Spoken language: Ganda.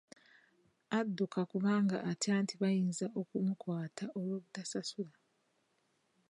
Adduka kubanga atya nti bayinza okumukwata olw'obutasasula.